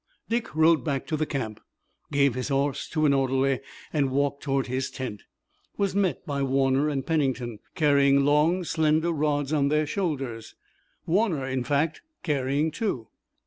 Dick rode back to the camp, gave his horse to an orderly, and, walking toward his tent, was met by Warner and Pennington, carrying long slender rods on their shoulders Warner in fact carrying two.